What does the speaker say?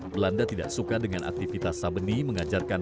belanda tidak suka dengan aktivitas sabeni mengajarkan